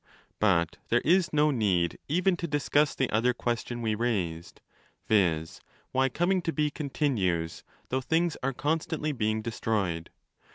But there is no need even to discuss the other question we raised—viz. why coming to be continues though things are constantly being destroyed.